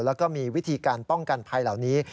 แล้วก็มีวิธีการป้องกันภัยเหล่านี้